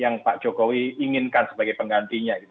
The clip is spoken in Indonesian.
yang pak jokowi inginkan sebagai penggantinya